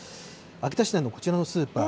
秋田市内のこちらのスーパー。